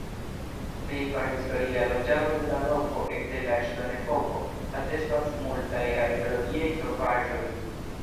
Pri prahistoria loĝado de la loko ekde la ŝtonepoko atestas multaj arkeologiaj trovaĵoj.